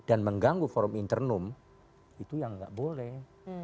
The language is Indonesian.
internum itu yang nggak boleh